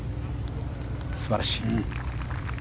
素晴らしい。